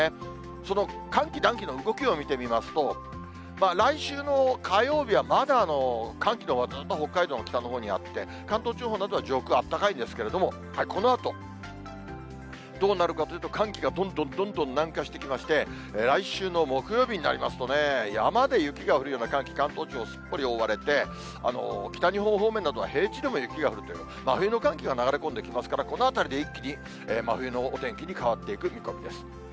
その寒気、暖気の動きを見てみますと、来週の火曜日はまだ寒気のほうが北海道の北のほうにあって、関東地方などは上空、あったかいんですけれども、このあとどうなるかというと、寒気がどんどんどんどん南下してきまして、来週の木曜日になりますとね、山で雪が降るような寒気、関東地方すっぽり覆われて、北日本方面などは平地でも雪が降るという、真冬の寒気が流れ込んできますから、この辺りで一気に真冬のお天気に変わっていく見込みです。